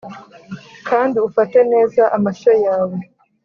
kandi ufate neza amashyo yawe,